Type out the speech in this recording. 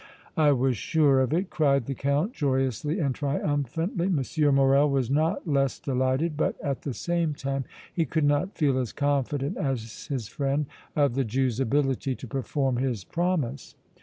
"I was sure of it!" cried the Count, joyously and triumphantly. M. Morrel was not less delighted, but, at the same time, he could not feel as confident as his friend of the Jew's ability to perform his promise.